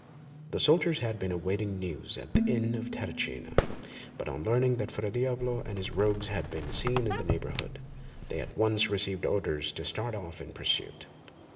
The soldiers had been awaiting news at the inn of Terracina, but on learning that Fra Diavolo and his rogues had been seen in the neighbourhood, they at once received orders to start off in pursuit.